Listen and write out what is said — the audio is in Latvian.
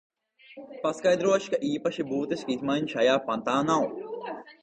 Paskaidrošu, ka īpaši būtisku izmaiņu šajā pantā nav.